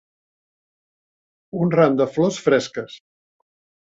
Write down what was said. Un ram de flors fresques.